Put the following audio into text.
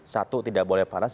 satu tidak boleh panas